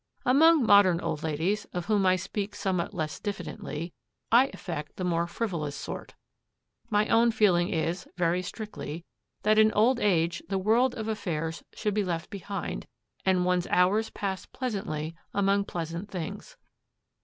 Among modern old ladies, of whom I speak somewhat less diffidently, I affect the more frivolous sort. My own feeling is, very strictly, that in old age the world of affairs should be left behind, and one's hours passed pleasantly among pleasant things.